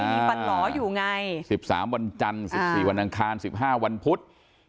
มีฟันหลออยู่ไง๑๓วันจันทร์๑๔วันอังคาร๑๕วันพุธ